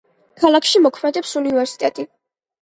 ქალაქში მოქმედებს უნივერსიტეტი.